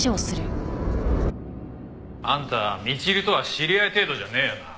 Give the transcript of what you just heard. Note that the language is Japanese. あんたみちるとは知り合い程度じゃねえよな？